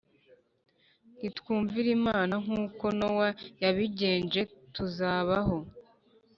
Nitwumvira Imana nk uko Nowa yabigenje tuzabaho